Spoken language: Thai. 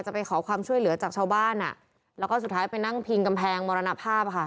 ไปขอความช่วยเหลือจากชาวบ้านอ่ะแล้วก็สุดท้ายไปนั่งพิงกำแพงมรณภาพค่ะ